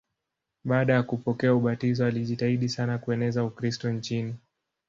Baada ya kupokea ubatizo alijitahidi sana kueneza Ukristo nchini.